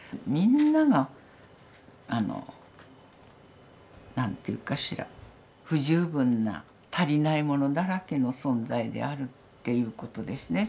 みんながあの何と言うかしら不十分な足りないものだらけの存在であるということですね。